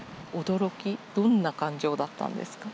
どんな感情だったんですか？